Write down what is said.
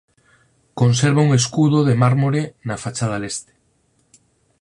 Conserva un escudo de mármore na fachada leste.